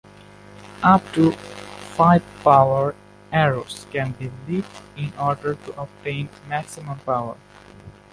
Up to five power arrows can be lit in order to obtain maximum power.